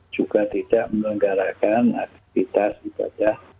juga tidak menyelenggarakan aktivitas ibadah